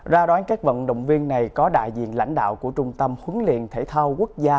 ra đoán các vận động viên này có đại diện lãnh đạo của trung tâm huấn luyện thể thao quốc gia